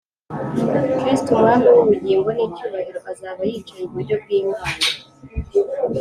kristo, umwami w’ubugingo n’icyubahiro, azaba yicaye iburyo bw’imana